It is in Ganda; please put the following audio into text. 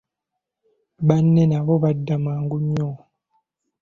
Banne nabo badda mangu nnyo.